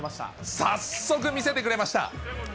早速見せてくれました。